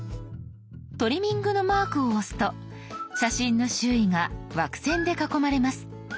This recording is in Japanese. トリミングのマークを押すと写真の周囲が枠線で囲まれます。